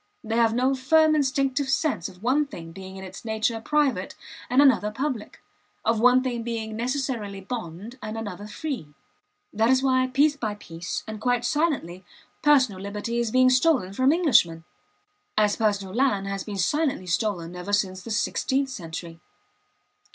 They have no firm instinctive sense of one thing being in its nature private and another public, of one thing being necessarily bond and another free. That is why piece by piece, and quite silently, personal liberty is being stolen from Englishmen, as personal land has been silently stolen ever since the sixteenth century.